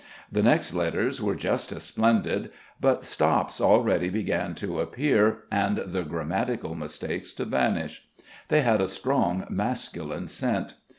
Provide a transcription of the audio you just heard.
The next letters were just as splendid, but stops already began to appear and the grammatical mistakes to vanish. They had a strong masculine scent.